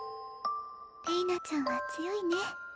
れいなちゃんは強いね。